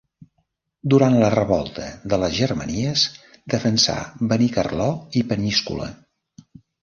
Durant la revolta de les Germanies, defensà Benicarló i Peníscola.